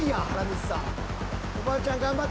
おばあちゃん頑張って。